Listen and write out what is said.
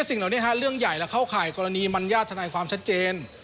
สิ่งเหล่านี้เรื่องใหญ่และเข้าข่ายกรณีมัญญาติธนายความชัดเจน